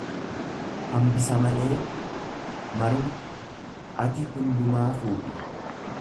hambisa malee, maruma; Ati hundumaa fuudhi.